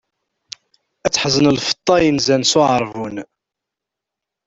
Ad teḥzen lfeṭṭa inzan s uɛeṛbun.